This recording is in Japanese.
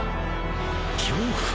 恐怖？